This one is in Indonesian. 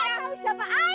kau tahu siapa i